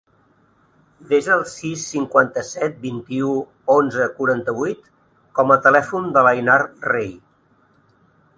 Desa el sis, cinquanta-set, vint-i-u, onze, quaranta-vuit com a telèfon de l'Einar Rey.